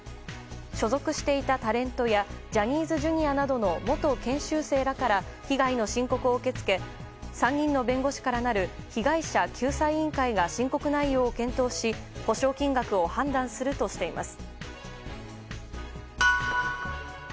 所属していたタレントやジャニーズＪｒ．の元研修生から被害の申告を受け付け３人の弁護士からなる被害者救済委員会が申告内容を検討し補償金額を判断するとしています。